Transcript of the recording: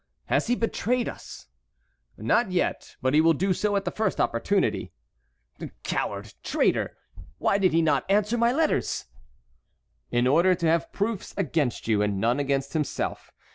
"Has he betrayed us?" "Not yet; but he will do so at the first opportunity." "Coward! traitor! Why did he not answer my letters?" "In order to have proofs against you, and none against himself.